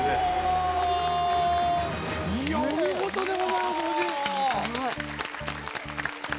お見事でございます夫人。